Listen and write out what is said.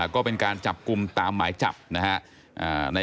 ก็เป็นการจับกลุ่มตามหมายจับนะฮะ